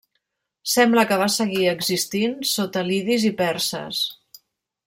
Sembla que va seguir existint sota lidis i perses.